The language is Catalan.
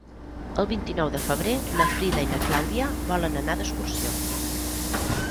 El vint-i-nou de febrer na Frida i na Clàudia volen anar d'excursió.